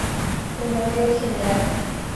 Combatió al gral.